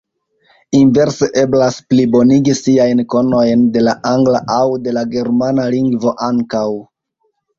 Inverse eblas plibonigi siajn konojn de la angla aŭ de la germana lingvo ankaŭ.